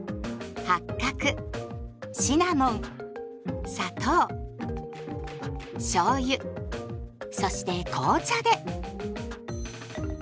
八角シナモン砂糖しょうゆそして紅茶で。